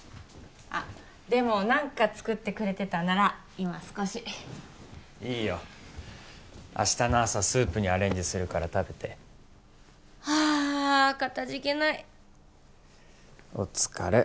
あっでも何か作ってくれてたなら今少しいいよ明日の朝スープにアレンジするから食べてはあかたじけないお疲れ